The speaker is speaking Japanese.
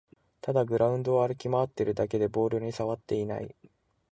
ただグラウンドを歩き回ってるだけでボールにさわっていない